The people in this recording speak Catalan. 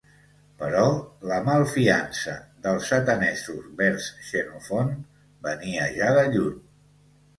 pèrò la malfiança dels atenesos vers Xenofont venia ja de lluny